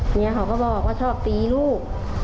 เมียเขาก็บอกว่าชอบตีลูก